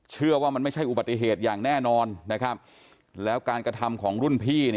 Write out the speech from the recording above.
เชื่อว่ามันไม่ใช่อุบัติเหตุอย่างแน่นอนนะครับแล้วการกระทำของรุ่นพี่